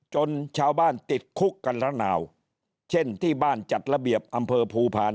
จนชาวบ้านติดคุกกันละนาวเช่นที่บ้านจัดระเบียบอำเภอภูพาล